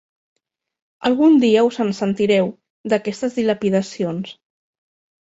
Algun dia us en sentireu, d'aquestes dilapidacions.